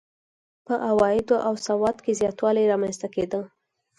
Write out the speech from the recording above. په عوایدو او سواد کې زیاتوالی رامنځته کېده.